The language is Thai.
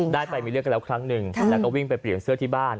ได้ไปมีเรื่องกันแล้วครั้งหนึ่งแล้วก็วิ่งไปเปลี่ยนเสื้อที่บ้าน